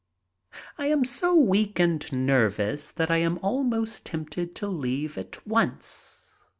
I am so weak and nervous that I am almost tempted to leave at once.